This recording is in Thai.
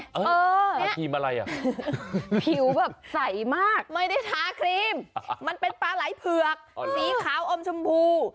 ทาครีมอะไรอ่ะผิวแบบใสมากไม่ได้ทาครีมมันเป็นปลาไหล่เผือกสีขาวอมชมพู